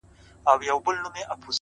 نسه ـ نسه جام د سوما لیري کړي ـ